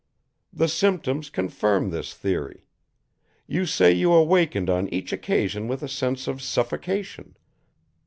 The symptoms confirm this theory. You say you awakened on each occasion with a sense of suffocation.